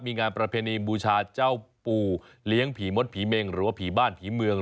มีงานประเพณีบูชาเจ้าปู่เลี้ยงผีมดผีเมงหรือว่าผีบ้านผีเมือง